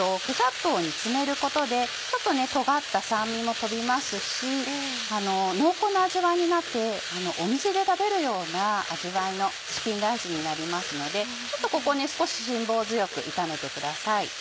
ケチャップを煮詰めることでちょっととがった酸味も飛びますし濃厚な味わいになってお店で食べるような味わいのチキンライスになりますのでちょっとここね少し辛抱強く炒めてください。